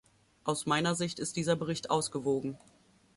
Aus meiner Sicht ist dieser Bericht ausgewogen.